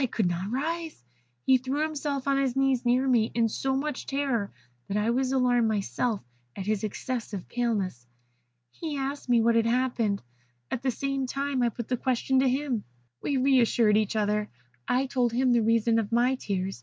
I could not rise. He threw himself on his knees near me, in so much terror that I was alarmed myself at his excessive paleness. He asked me what had happened. At the same time I put the same question to him. We re assured each other. I told him the reason of my tears.